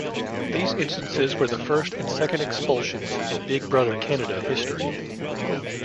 These instances were the first and second expulsions in "Big Brother Canada" history.